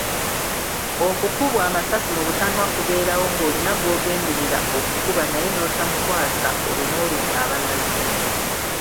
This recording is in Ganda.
Okukubwa amasasi mu butanwa kubeerawo ng’olina gw’ogenderera okukuba naye n’otamukwasa olwo n’olumya abalala.